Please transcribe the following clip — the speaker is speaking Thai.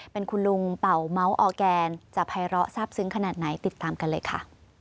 เป็นคุณลุงเป่าเม้าออร์แกนจะภัยร้อทราบซึ้งขนาดไหนติดตามกันเลยค่ะ